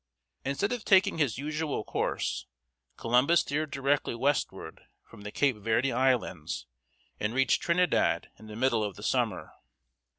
Instead of taking his usual course, Columbus steered directly westward from the Cape Verde Islands, and reached Trin i dad´ in the middle of the summer.